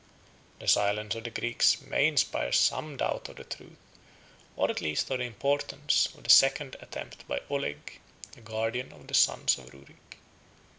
61 The silence of the Greeks may inspire some doubt of the truth, or at least of the importance, of the second attempt by Oleg, the guardian of the sons of Ruric.